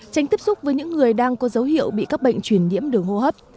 tránh tiếp xúc với những người đang có dấu hiệu bị các bệnh truyền nhiễm đường hô hấp